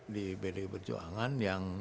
di pdi perjuangan yang